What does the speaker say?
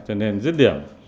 cho nên dứt điểm